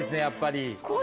やっぱり。